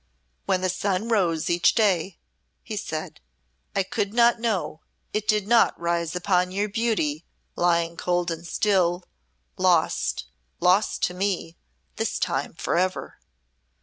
"When the sun rose each day," he said, "I could not know it did not rise upon your beauty, lying cold and still, lost lost to me this time, forever."